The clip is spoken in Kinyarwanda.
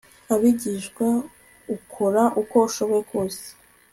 abigishwa akora uko ashoboye kose